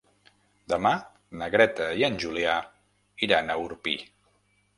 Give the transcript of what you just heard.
Demà na Greta i en Julià iran a Orpí.